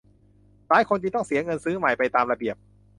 หลายคนจึงต้องเสียเงินซื้อใหม่ไปตามระเบียบ